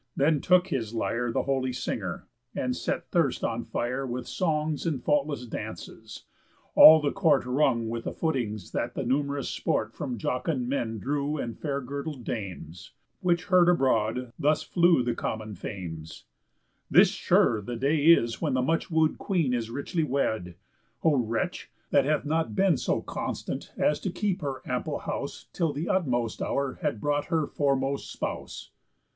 Then took his lyre The holy singer, and set thirst on fire With songs and faultless dances; all the court Rung with the footings that the numerous sport From jocund men drew and fair girdled dames; Which heard abroad, thus flew the common fames: "This sure the day is when the much woo'd Queen Is richly wed. O wretch! That hath not been So constant as to keep her ample house Till th' utmost hour had brought her foremost spouse."